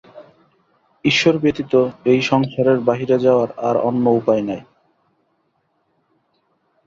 ঈশ্বর ব্যতীত এই সংসারের বাহিরে যাওয়ার আর অন্য উপায় নাই।